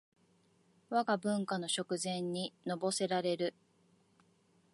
わが文化の食膳にのぼせられる